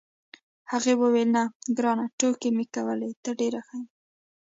هغې وویل: نه، ګرانه، ټوکې مې کولې، ته ډېر ښه یې.